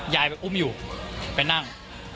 ยายไปอุ้มอยู่ไปนั่ง